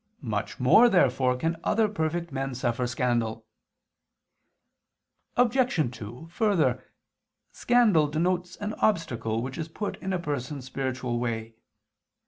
Much more therefore can other perfect men suffer scandal. Obj. 2: Further, scandal denotes an obstacle which is put in a person's spiritual way.